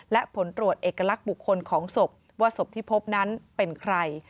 และผลตรวจเอกลักษณ์บุคคลของศพว่าศพที่พบนั้นเป็นใคร